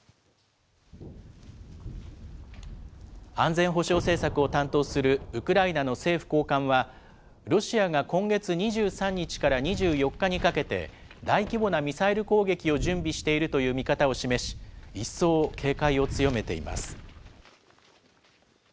安全保障政策を担当するウクライナの政府高官は、ロシアが今月２３日から２４日にかけて、大規模なミサイル攻撃を準備しているという見方を示し、一層警戒を強めています。